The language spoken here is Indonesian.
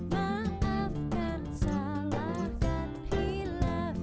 maafkan salah dan hilang